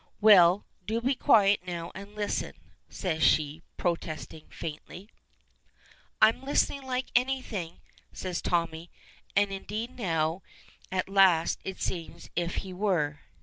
"Well, do be quiet now, and listen," says she, protesting faintly. "I'm listening like anything," says Tommy. And, indeed, now at last it seems as if he were.